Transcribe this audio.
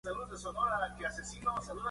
Celta de Vigo de la Primera División de España.